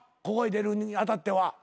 ここへ出るに当たっては。